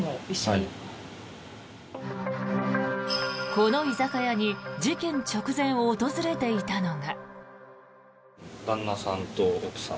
この居酒屋に事件直前、訪れていたのが。